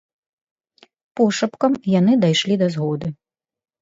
Пошапкам яны дайшлі да згоды.